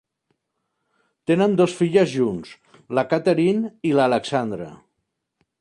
Tenen dos filles junts, la Katherine i l'Alexandra.